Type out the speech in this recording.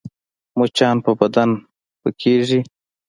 مچان په بدن پکېږي